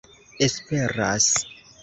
esperas